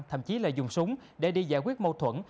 thậm chí là dùng súng để đi giải quyết mâu thuẫn